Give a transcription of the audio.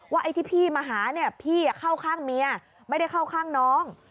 ไอ้ที่พี่มาหาเนี่ยพี่เข้าข้างเมียไม่ได้เข้าข้างน้อง